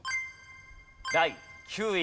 第９位。